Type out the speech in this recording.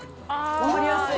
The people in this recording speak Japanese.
分かりやすい。